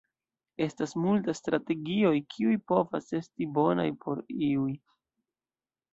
Estas multa strategioj, kiuj povas esti bonaj por iuj.